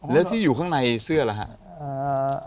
แล้วที่อยู่ข้างในเสื้อล่ะครับ